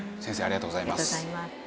ありがとうございます。